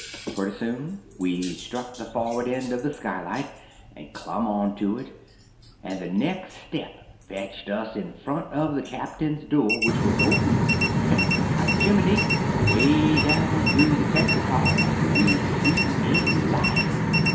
Pretty soon we struck the forward end of the skylight, and clumb on to it; and the next step fetched us in front of the captain's door, which was open, and by Jimminy, away down through the texas hall we see a light!